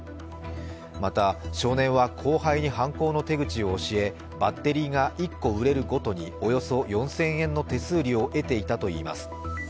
また、少年は後輩に犯行の手口を教え、バッテリーが１個売れるごとにおよそ４０００円の手数料を得ていたといいます。